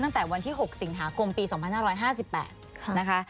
ตั้งแต่วันที่๖สิงหาคมปี๒๕๕๘นะคะ